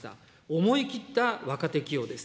思い切った若手起用です。